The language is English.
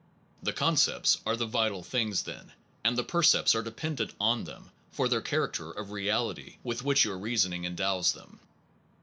The concepts are the vital things, then, and the percepts are dependent on them for the char acter of "reality" with which your reasoning endows them.